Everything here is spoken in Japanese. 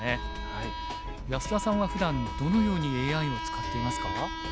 安田さんはふだんどのようにＡＩを使っていますか？